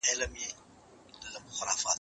ما پرون د سبا لپاره د ليکلو تمرين وکړ!